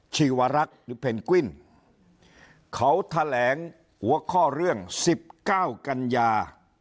ชีวรักษ์หรือเพนกวินเขาแถลงหัวข้อเรื่อง๑๙กันยา